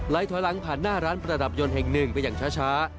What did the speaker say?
ถอยหลังผ่านหน้าร้านประดับยนต์แห่งหนึ่งไปอย่างช้า